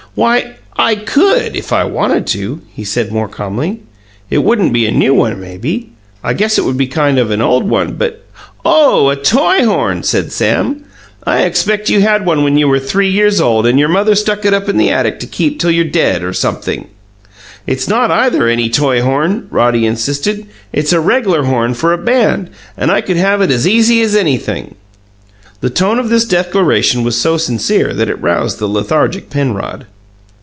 "Why, I COULD, if I wanted to," he said more calmly. "It wouldn't be a new one, maybe. I guess it would be kind of an old one, but " "Oh, a toy horn!" said Sam. "I expect one you had when you were three years old, and your mother stuck it up in the attic to keep till you're dead, or sumpthing!" "It's not either any toy horn," Roddy insisted. "It's a reg'lar horn for a band, and I could have it as easy as anything." The tone of this declaration was so sincere that it roused the lethargic Penrod.